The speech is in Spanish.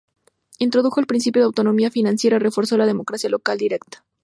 Introdujo el principio de autonomía financiera y reforzó la democracia local directa.